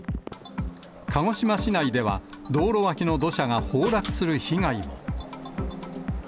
鹿児島市内では、道路脇の土砂が崩落する被害も。